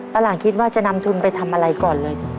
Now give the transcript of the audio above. หลานคิดว่าจะนำทุนไปทำอะไรก่อนเลย